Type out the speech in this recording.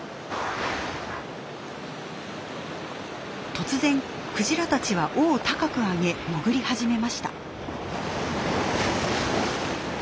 突然クジラたちは尾を高く上げ潜り始めました。